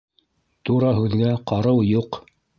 Тура һүҙгә ҡарыу юҡ.